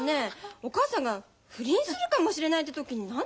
お母さんが不倫するかもしれないって時に何なのよ！